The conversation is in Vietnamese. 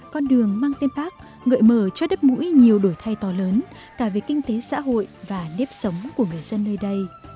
con đường mang tên bác ngợi mở cho đất mũi nhiều đổi thay to lớn cả về kinh tế xã hội và nếp sống của người dân nơi đây